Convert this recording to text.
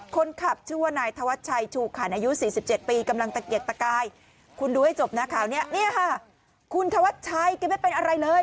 คนขับชื่อว่านายธวัดชัยชูขันอายุ๔๗ปีกำลังเก็บตะกาย